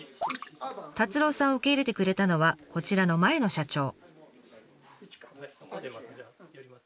達朗さんを受け入れてくれたのはこちらの前野社長。